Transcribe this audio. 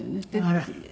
あら。